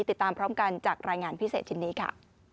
ติดตามพร้อมกันจากรายงานพิเศษชิ้นนี้ค่ะ